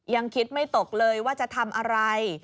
ยังคิดไม่ตกเลยว่าจะทำอะไร